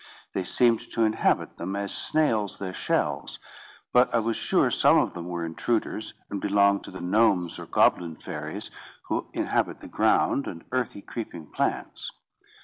They seemed to inhabit them, as snails their shells; but I was sure some of them were intruders, and belonged to the gnomes or goblin fairies, who inhabit the ground and earthy creeping plants.